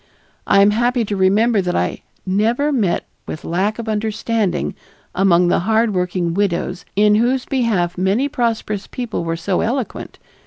I am happy to remember that I never met with lack of understanding among the hard working widows, in whose behalf many prosperous people were so eloquent.